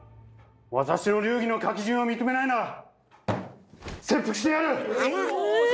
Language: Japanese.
私の流儀の書き順を認めないなら切腹してやる！